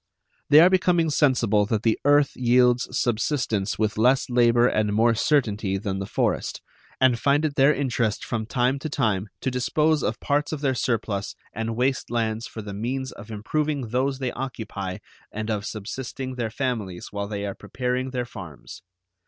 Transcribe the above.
They are becoming sensible that the earth yields subsistence with less labor and more certainty than the forest, and find it their interest from time to time to dispose of parts of their surplus and waste lands for the means of improving those they occupy and of subsisting their families while they are preparing their farms.